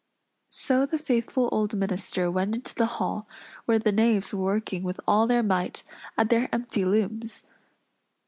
So the faithful old minister went into the hall, where the knaves were working with all their might, at their empty looms.